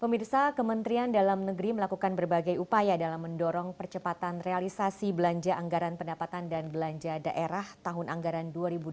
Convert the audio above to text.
pemirsa kementerian dalam negeri melakukan berbagai upaya dalam mendorong percepatan realisasi belanja anggaran pendapatan dan belanja daerah tahun anggaran dua ribu dua puluh